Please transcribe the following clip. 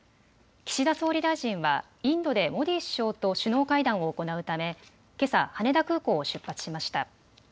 岸田総理大臣はインドでモディ首相と首脳会談を行うためけさ羽田空港を出発しました。